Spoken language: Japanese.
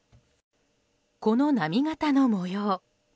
この波型の模様